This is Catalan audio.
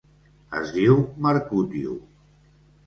Es diu Mercutio.